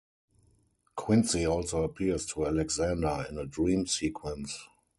Quincey also appears to Alexander in a dream sequence.